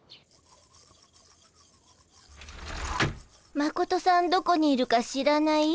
マコトさんどこにいるか知らない？